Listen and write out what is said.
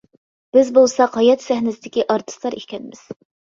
بىز بولساق ھايات سەھنىسىدىكى ئارتىسلار ئىكەنمىز.